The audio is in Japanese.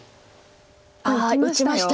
ああ打ちました。